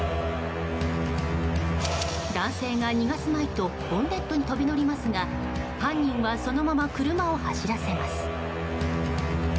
男性が逃すまいとボンネットに飛び乗りますが犯人はそのまま車を走らせます。